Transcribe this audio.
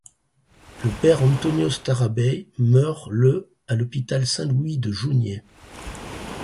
Le Père Antonios Tarabay meurt le à l'hôpital Saint-Louis de Jounieh.